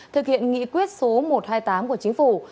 thực hiện nghị quyết số một trăm hai mươi tám của chính phủ